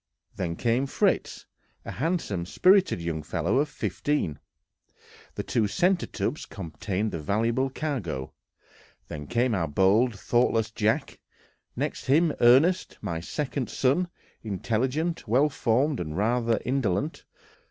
Then came Fritz, a handsome, spirited young fellow of fifteen; the two centre tubs contained the valuable cargo; then came our bold, thoughtless Jack; next him Ernest, my second son, intelligent, well formed, and rather indolent.